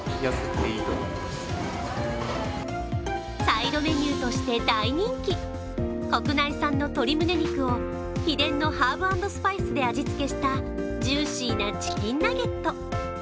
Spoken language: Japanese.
サイドメニューとして大人気国内産の鶏むね肉を秘伝のハーブ＆スパイスで味付けしたジューシーなチキンナゲット。